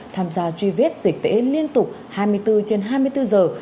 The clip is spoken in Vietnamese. tham gia truy vết dịch tễ liên tục hai mươi bốn trên hai mươi bốn giờ